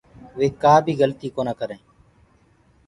وي ڪآ بي گلتيٚ ڪونآ ڪرينٚ